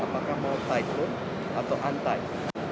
apakah mau tight load atau untight